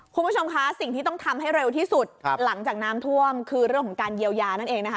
คุณผู้ชมคะสิ่งที่ต้องทำให้เร็วที่สุดหลังจากน้ำท่วมคือเรื่องของการเยียวยานั่นเองนะคะ